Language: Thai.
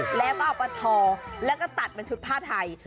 แล้วก็เอามาทอแล้วก็ตัดเป็นชุดผ้าไทย